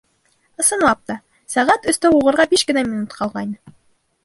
Ысынлап та, сәғәт өстө һуғырға биш кенә минут ҡалғайны.